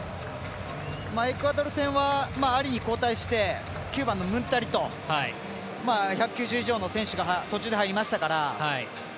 エクアドル戦はアリに交代して、９番のムンタリと１９０以上の選手が途中で入りましたから。